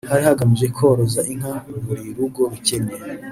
Hari hagamijwe koroza inka buri rugo rukennye